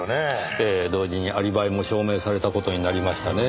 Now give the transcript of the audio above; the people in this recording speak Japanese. ええ同時にアリバイも証明された事になりましたねぇ。